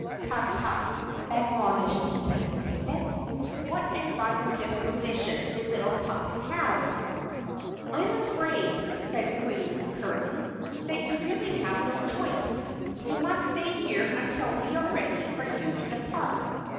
"Tut, tut," admonished King Ticket. "What a violent disposition the little puppet has." "I am afraid," said Queen Curtain, "that you really have no choice. You must stay here until we are ready for you to depart.